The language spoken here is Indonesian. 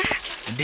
di istanaku putri